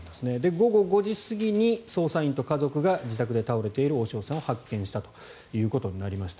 午後５時過ぎに、捜査員と家族が自宅で倒れている大塩さんを発見したということになりました。